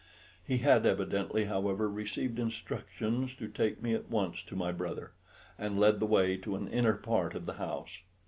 He had evidently, however, received instructions to take me at once to my brother, and led the way to an inner part of the house.